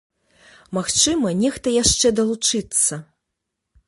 Магчыма, нехта яшчэ далучыцца.